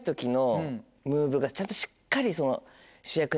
ちゃんとしっかりその。